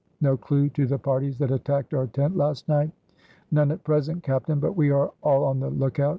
"No clew to the parties that attacked our tent last night?" "None at present, captain, but we are all on the lookout.